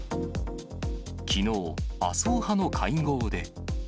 きのう、麻生派の会合で。